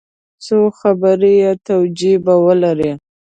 څو خبري توجیې به ولري.